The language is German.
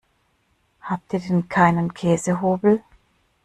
Habt ihr denn keinen Käsehobel?